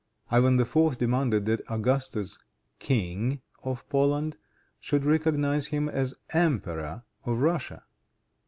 Ivan IV. demanded, that Augustus, King of Poland, should recognize him as Emperor of Russia.